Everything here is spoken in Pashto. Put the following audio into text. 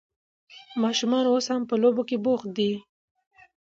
ماشومان اوس هم په لوبو کې بوخت دي.